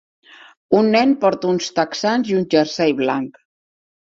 Un nen porta uns texans i un jersei blanc.